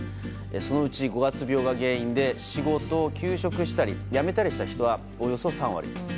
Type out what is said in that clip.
そのうち五月病が原因で仕事を休職したり辞めたりした人はおよそ３割。